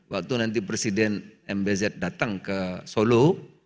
waktu nanti presiden mbz datang ke solo